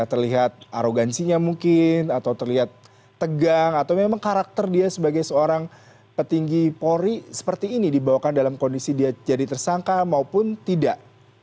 terlihat arogansinya mungkin atau terlihat tegang atau memang karakter dia sebagai seorang petinggi polri seperti ini dibawakan dalam kondisi dia jadi tersangka maupun tidak